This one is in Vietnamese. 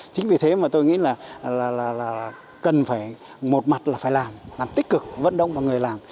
chính vì thế mà tôi nghĩ là là là là là là cần phải một mặt là phải làm làm tích cực vận động vào người làm